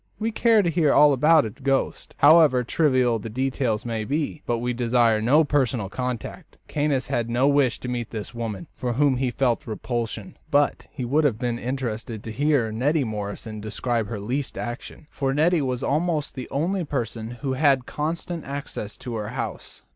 We care to hear all about a ghost, however trivial the details may be, but we desire no personal contact. Caius had no wish to meet this woman, for whom he felt repulsion, but he would have been interested to hear Neddy Morrison describe her least action, for Neddy was almost the only person who had constant access to her house.